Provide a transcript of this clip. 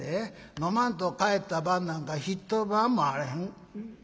飲まんと帰った晩なんか一晩もあらへん。